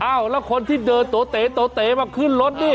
อ้าวแล้วคนที่เดินตัวเต๋ตัวเต๋มาขึ้นรถดิ